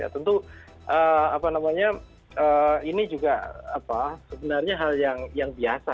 tentu ini juga sebenarnya hal yang biasa